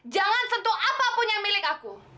jangan sentuh apapun yang milik aku